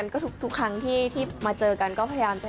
นั่นสิทำไมไม่มาเนี่ย